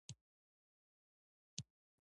د طیارې انجن د سونګ توکي کاروي.